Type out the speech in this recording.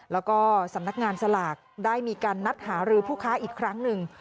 แล้วก็สำนักงานสลากได้มีการนัดหารือผู้ค้าอีกครั้งหนึ่ง